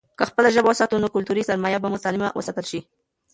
که خپله ژبه وساتو، نو کلتوري سرمايه به سالمه وساتل شي.